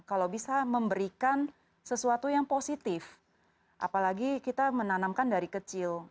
kalau bisa memberikan sesuatu yang positif apalagi kita menanamkan dari kecil